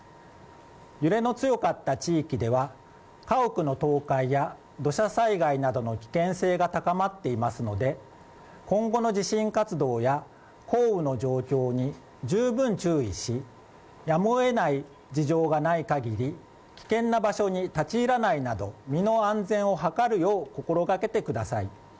揺れの強かった地域では家屋の倒壊や土砂災害などの危険性が高まっていますので今後の地震活動や降雨の状況に十分注意し、やむをえない事情がない限り危険な場所に立ち入らないなど身の安全を図るよう心がけてください。